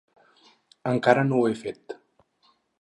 Encara no ho he fet.